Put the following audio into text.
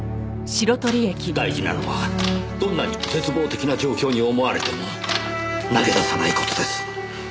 大事なのはどんなに絶望的な状況に思われても投げ出さない事です。